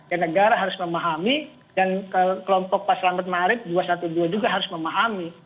yang negara harus memahami yang kelompok pak selamat ma'afit dua ratus dua belas juga harus memahami